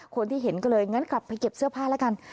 คนที่เห็นก็เลยงั้นกลับไปเก็บเสื้อผ้าแล้วกัน